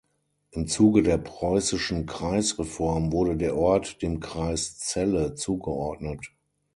Im Zuge der preußischen Kreisreform wurde der Ort dem Kreis Celle zugeordnet.